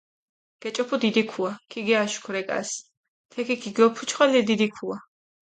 გეჭოფუ დიდი ქუა, ქიგიაშქუ რეკას, თექი ქიგიოფუჩხოლჷ ე დიდი ქუა.